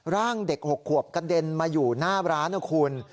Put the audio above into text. ร่างเด็ก๖ขวบกระเด็นมาอยู่หน้าร้านนะคุณ